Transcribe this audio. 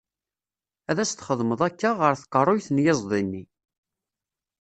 Ad as-txeddmeḍ akka, ɣer tqerruyt n yiẓdi-nni.